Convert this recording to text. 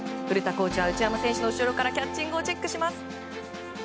古田コーチは内山選手の後ろからキャッチングをチェックします。